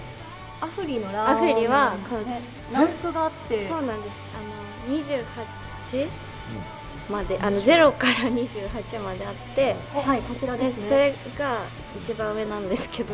ＡＦＵＲＩはランクがあって、０から２８まであって、それが一番上なんですけど。